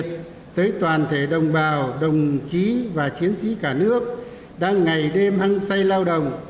chúc tới toàn thể đồng bào đồng chí và chiến sĩ cả nước đang ngày đêm hăng say lao động